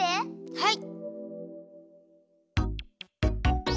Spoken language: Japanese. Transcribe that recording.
はい！